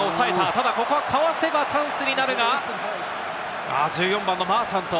ただここはかわせばチャンスになるが、１４番のマーチャント。